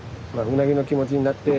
ウナギの気持ちになって？